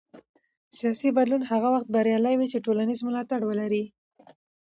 سیاسي بدلون هغه وخت بریالی وي چې ټولنیز ملاتړ ولري